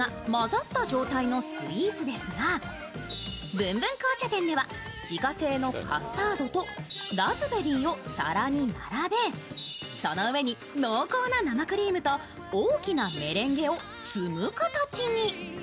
ブンブン紅茶店では自家製のカスタードとラズベリーを皿に並べその上に濃厚な生クリームと大きなメレンゲを積む形に。